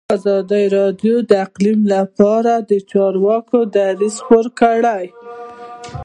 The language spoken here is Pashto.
ازادي راډیو د اقلیم لپاره د چارواکو دریځ خپور کړی.